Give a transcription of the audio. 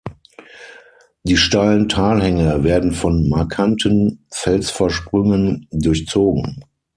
Die steilen Talhänge werden von markanten Felsvorsprüngen durchzogen.